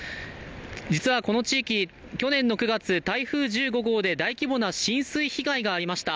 実はこの地域、去年の９月、台風１５号で大規模な浸水被害がありました。